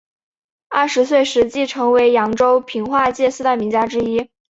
二十岁时即成为扬州评话界四大名家之一。